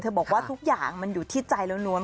บอกว่าทุกอย่างมันอยู่ที่ใจล้วน